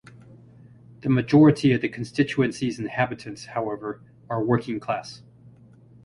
The majority of the constituency's inhabitants, however, are working-class.